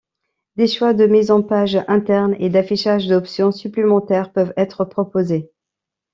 Des choix de mises en page internes et d'affichage d'options supplémentaires peuvent être proposés.